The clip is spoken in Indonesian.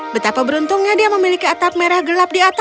betapa beruntungnya dia memiliki atap merah gelap di atas